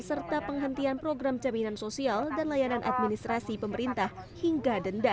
serta penghentian program jaminan sosial dan layanan administrasi pemerintah hingga denda